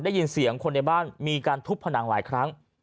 ได้ยินเสียงคนในบ้านมีการทุบผนังหลายครั้ง